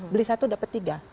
beli satu dapat tiga